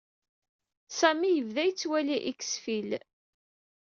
Sami yebda yettwali X-Files.